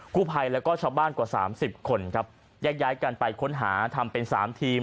คู่ภัยแล้วก็ชาวบ้านกว่า๓๐คนครับยากกันไปค้นหาทำเป็น๓ทีม